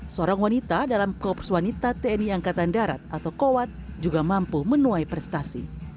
seorang wanita dalam korps wanita tni angkatan darat atau kowat juga mampu menuai prestasi